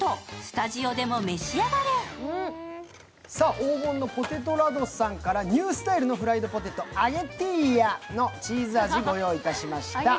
黄金のポテトラドさんからニュースタイルのフライドポテト、あげティーヤのチーズ味ご用意しました。